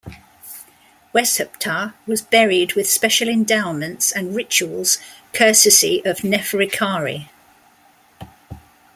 Weshptah was buried with special endowments and rituals courtesy of Neferirkare.